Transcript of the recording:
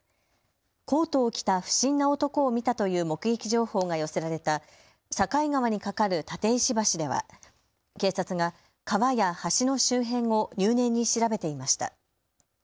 コートを着た不審な男を見たという目撃情報が寄せられた境川に架かる立石橋では警察が川や橋の周辺を入念に調べていました。